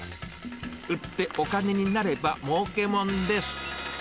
売ってお金になれば、もうけもんです。